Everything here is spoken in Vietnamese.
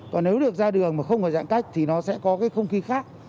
còn nếu được ra đường mà không phải giãn cách thì nó sẽ có cái không khí khác